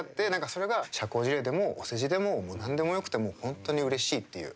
それが社交辞令でもお世辞でももう、なんでもよくて本当にうれしいっていう。